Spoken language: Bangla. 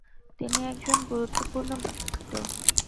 তিনি একজন গুরুত্বপূর্ণ ব্যক্তিত্ব।